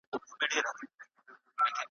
او د کاغذ مخ په رنګین کړي ,